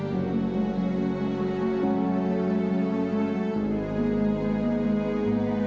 tuh kamu ada di indonesia